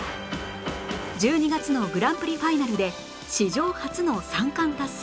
１２月のグランプリファイナルで史上初の３冠達成